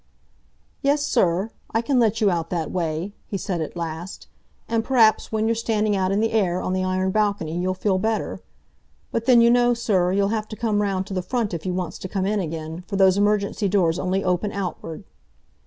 "Yes, sir; I can let you out that way," he said at last, "and p'raps when you're standing out in the air, on the iron balcony, you'll feel better. But then, you know, sir, you'll have to come round to the front if you wants to come in again, for those emergency doors only open outward."